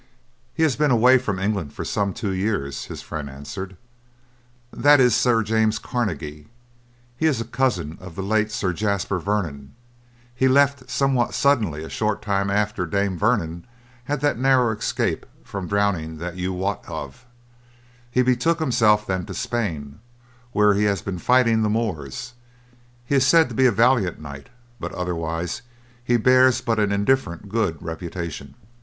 "He has been away from England for some two years," his friend answered. "That is Sir James Carnegie; he is a cousin of the late Sir Jasper Vernon; he left somewhat suddenly a short time after Dame Vernon had that narrow escape from drowning that you wot of; he betook himself then to Spain, where he has been fighting the Moors; he is said to be a valiant knight, but otherwise he bears but an indifferent good reputation."